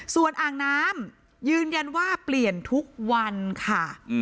ส่วนอ่างน้ำยืนยันว่าเปลี่ยนทุกวันค่ะ